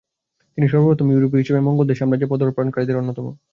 তিনি সর্বপ্রথম ইউরোপীয় হিসেবে মঙ্গোলদের সাম্রাজ্যে পদার্পণকারীদের অন্যতম।